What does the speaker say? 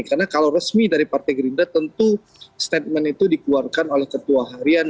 karena kalau resmi dari partai gerindra tentu statement itu dikeluarkan oleh ketua harian